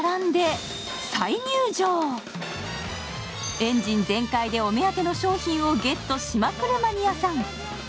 エンジン全開でお目当ての商品をゲットしまくるマニアさん。